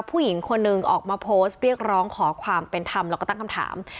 ผู้หญิงคนหนึ่งออกมาโพสต์เรียกร้องขอความเป็นธรรมแล้วก็ตั้งคำถาม